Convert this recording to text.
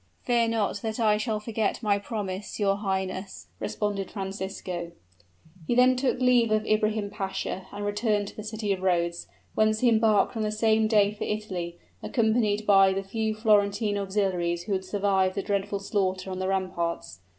"Fear not that I shall forget my promise, your highness," responded Francisco. He then took leave of Ibrahim Pasha, and returned to the city of Rhodes, whence he embarked on the same day for Italy, accompanied by the few Florentine auxiliaries who had survived the dreadful slaughter on the ramparts.